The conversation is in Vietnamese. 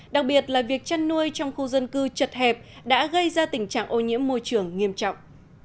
đặc biệt là việc chăn nuôi trong khu dân cư chật hẹp đã gây ra tình trạng ô nhiễm môi trường nghiêm trọng